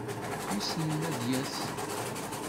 Wissen ma ad d-yas.